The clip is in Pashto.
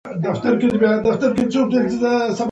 زه بايد د خپل هېواد په جوړونه کې فعاله ونډه واخلم